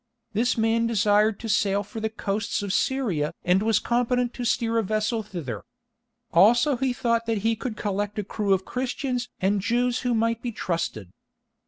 This man desired to sail for the coasts of Syria and was competent to steer a vessel thither. Also he thought that he could collect a crew of Christians and Jews who might be trusted.